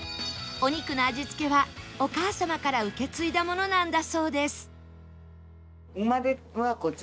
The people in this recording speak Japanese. お肉の味付けはお母様から受け継いだものなんだそうです